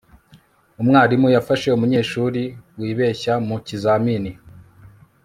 umwarimu yafashe umunyeshuri wibeshya mu kizamini